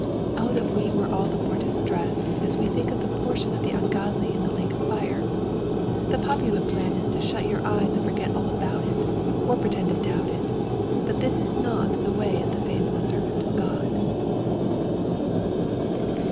Oh that we were all more distressed as we think of the portion of the ungodly in the lake of fire I The popular plan is to shut ^our eyes and forget all about it, or pretend to doubt it ; but this is not the way of the faithful servant of God.